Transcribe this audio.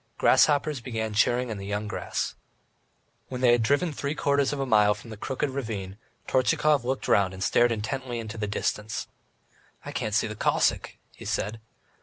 Grasshoppers began churring in the young grass. When they had driven three quarters of a mile from the Crooked Ravine, Tortchakov looked round and stared intently into the distance. "I can't see the Cossack," he said.